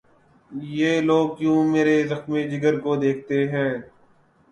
یہ لوگ کیوں مرے زخمِ جگر کو دیکھتے ہیں